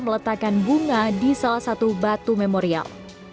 meletakkan bunga di salah satu batu memorial